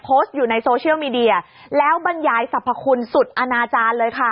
โพสต์อยู่ในโซเชียลมีเดียแล้วบรรยายสรรพคุณสุดอนาจารย์เลยค่ะ